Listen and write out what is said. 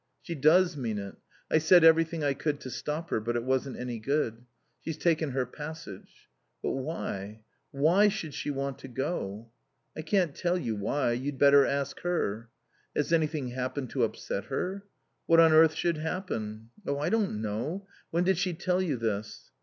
"She does mean it. I said everything I could to stop her, but it wasn't any good. She's taken her passage." "But why why should she want to go?" "I can't tell you why. You'd better ask her." "Has anything happened to upset her?" "What on earth should happen?" "Oh, I don't know. When did she tell you this?"